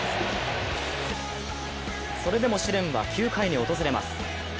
それでも試練は９回に訪れます。